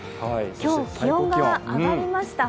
今日、気温が上がりました。